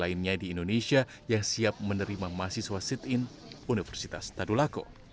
lainnya di indonesia yang siap menerima mahasiswa sit in universitas tadulako